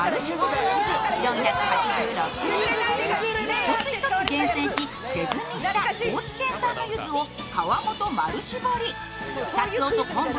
一つ一つ厳選し、手摘みした高知県産のゆずを皮ごと丸絞り。